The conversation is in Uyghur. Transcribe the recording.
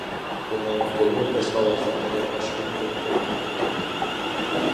ئۇنىڭ تولىمۇ پەس ئاۋازدا دېگەن ئاشۇ گەپلىرى قۇلىقىمغا كىردى.